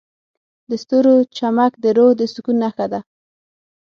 د ستورو چمک د روح د سکون نښه ده.